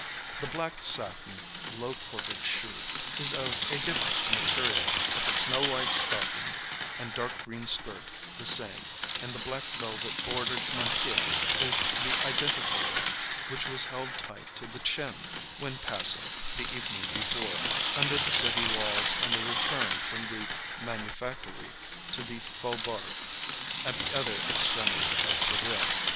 The black satin, low quartered shoe is of a different material; but the snow white stocking, and dark green skirt the same and the black velvet bordered mantilla is the identical one, which was held tight to the chin, when passing, the evening before, under the city walls on the return from the manufactory to the faubourg at the other extremity of Seville.